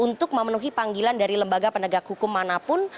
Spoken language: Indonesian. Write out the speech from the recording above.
untuk memenuhi panggilan dari lembaga penegak hukum manapun